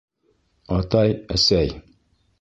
Атай, әсәй!